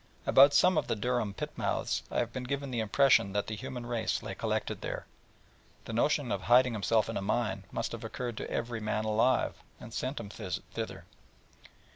About some of the Durham pit mouths I have been given the impression that the human race lay collected there; and that the notion of hiding himself in a mine must have occurred to every man alive, and sent him thither.